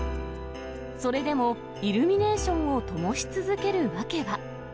それでも、イルミネーションをともし続ける訳は。